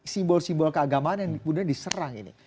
simbol simbol keagamaan yang kemudian diserang ini